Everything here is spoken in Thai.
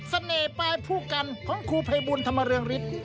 เสน่ห์ปลายผู้กันของครูไพบูลธรรมเรืองฤทธิ์